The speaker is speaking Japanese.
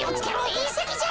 いんせきじゃ。